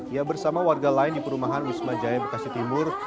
ia bersama warga lain di perumahan wisma jaya bekasi timur